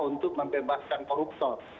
untuk membebaskan koruptor